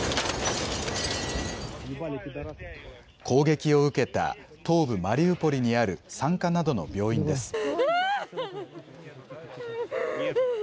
攻撃を受けた東部マリウポリにある産科などの病院です。